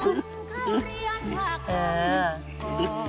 โอ้ยยยยย